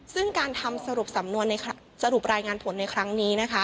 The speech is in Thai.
ซึ่งการทำสรุปรายงานผลในครั้งนี้นะคะ